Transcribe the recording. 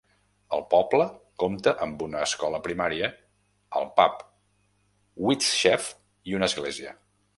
El poble compta amb una escola primària, el pub Wheatsheaf i una església.